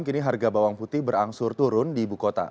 kini harga bawang putih berangsur turun di ibu kota